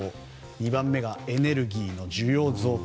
２番目がエネルギーの需要増加。